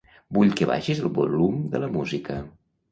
Vull que baixis el volum de la música.